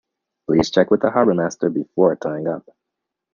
Please check with the harbourmaster before tying up